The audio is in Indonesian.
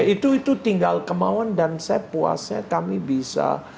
itu tinggal kemauan dan saya puasnya kami bisa